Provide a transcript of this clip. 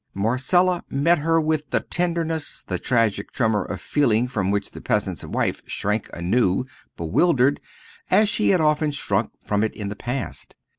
Marcella met her with the tenderness, the tragic tremor of feeling from which the peasant's wife shrank anew, bewildered, as she had often shrunk from it in the past.